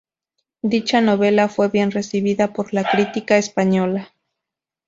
Dicha novela fue bien recibida por la crítica española.